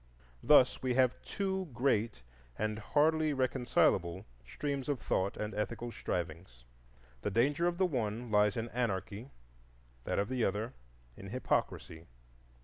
Thus we have two great and hardly reconcilable streams of thought and ethical strivings; the danger of the one lies in anarchy, that of the other in hypocrisy.